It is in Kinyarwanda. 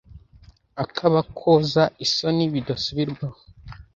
Akabakoza isoni bidasubirwaho !